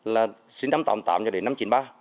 là sinh năm tám mươi tám cho đến năm chín mươi ba